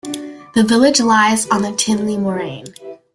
The village lies on the Tinley Moraine.